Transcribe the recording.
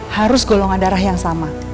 harus golongan darah yang sama